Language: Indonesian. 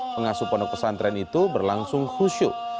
pengasuh pondok pesantren itu berlangsung khusyuk